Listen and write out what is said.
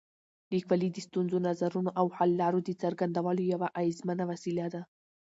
لیکوالی د ستونزو، نظرونو او حل لارو د څرګندولو یوه اغېزمنه وسیله ده.